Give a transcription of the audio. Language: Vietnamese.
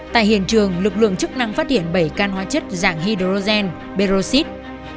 tại hiện trường lực lượng chức năng phát hiện bảy can hóa chất dạng hydrogen bioxid